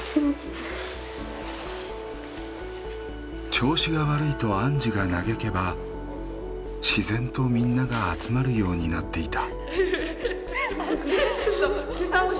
「調子が悪い」とアンジュが嘆けば自然とみんなが集まるようになっていた。